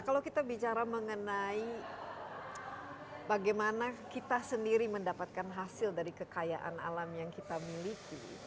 kalau kita bicara mengenai bagaimana kita sendiri mendapatkan hasil dari kekayaan alam yang kita miliki